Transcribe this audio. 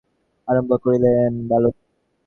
বালক জ্যেষ্ঠ ভ্রাতার নিকট পাঠ আরম্ভ করিলেন।